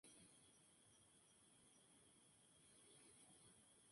El jurado decidirá al vencedor del reto.